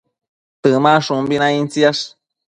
Temashumbi naidtsiash